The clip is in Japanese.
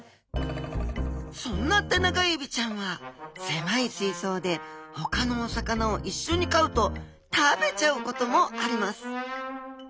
そんなテナガエビちゃんは狭い水槽でほかのお魚を一緒に飼うと食べちゃうこともあります。